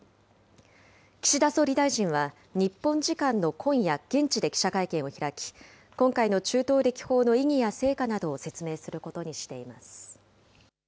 岸田総理大臣は、日本時間の今夜、現地で記者会見を開き、今回の中東歴訪の意義や成果などを説明す